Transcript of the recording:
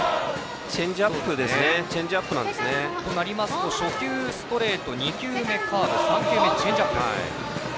チェンジアップなんですね。となりますと初球、ストレート２球目、カーブ３球目、チェンジアップ。